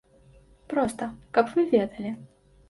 Проста, каб вы ведалі.